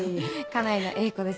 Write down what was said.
家内の栄子です。